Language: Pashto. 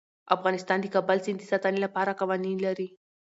افغانستان د د کابل سیند د ساتنې لپاره قوانین لري.